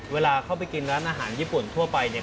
เวลาเข้าไปกินร้านอาหารญี่ปุ่นทั่วไปเนี่ย